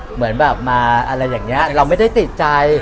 เหมือนแบบมาอะไรอย่างนี้เราไม่ได้ติดใจ